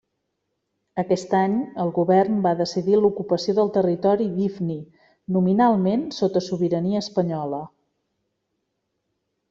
Aquest any, el govern va decidir l'ocupació del territori d'Ifni, nominalment sota sobirania espanyola.